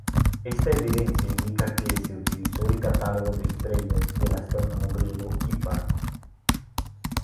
Esta evidencia indica que se utilizó el catálogo de estrellas del astrónomo griego Hiparco.